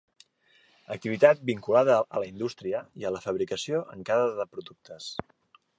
Activitat vinculada a la indústria i a la fabricació en cada de productes.